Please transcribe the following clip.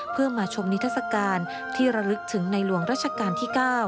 เพื่อมาชมนิทัศกาลที่ระลึกถึงในหลวงราชการที่๙